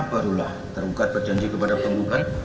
barulah tergugat berjanji kepada penggugat